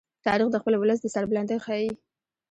تاریخ د خپل ولس د سربلندۍ ښيي.